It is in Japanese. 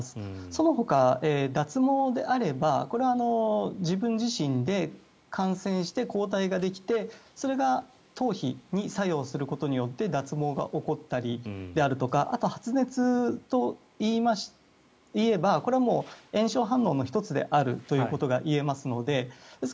そのほか、脱毛であればこれは自分自身で感染して抗体ができてそれが頭皮に作用することによって脱毛が起こったりであるとかあと、発熱といえばこれは炎症反応の１つであるということがいえますのでです